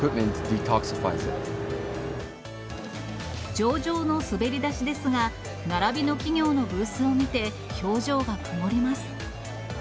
上々の滑り出しですが、並びの企業のブースを見て、表情が曇ります。